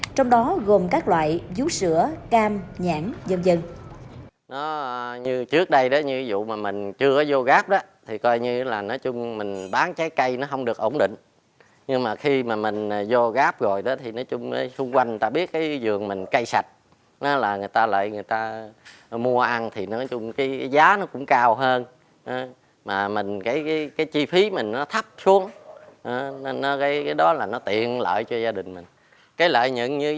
trong đó gồm các loại dú sữa cam nhãn dần dần